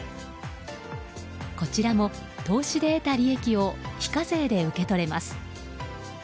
こちらも投資で得た利益を非課税で受け取れます。